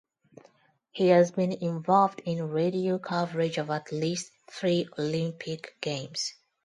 He has been involved in radio coverage of at least three Olympic Games.